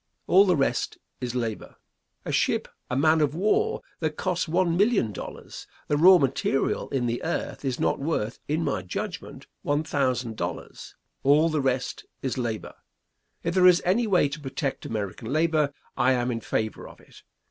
All the rest is labor. A ship, a man of war that costs one million dollars the raw material in the earth is not worth, in my judgment, one thousand dollars. All the rest is labor. If there is any way to protect American labor, I am in favor of it.